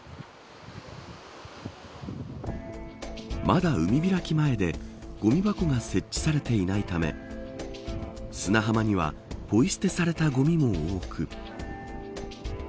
まだ海開き前でごみ箱が設置されていないため砂浜にはポイ捨てされたゴミも多く。